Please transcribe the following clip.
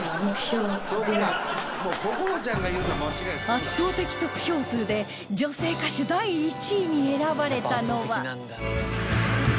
圧倒的得票数で女性歌手第１位に選ばれたのは